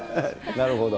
なるほど。